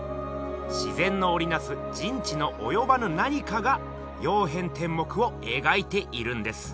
自然のおりなす人知のおよばぬ何かが「曜変天目」をえがいているんです。